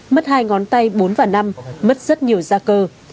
mất hai ngón tay bốn và năm mất rất nhiều da cơ